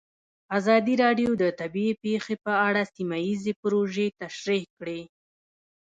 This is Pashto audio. ازادي راډیو د طبیعي پېښې په اړه سیمه ییزې پروژې تشریح کړې.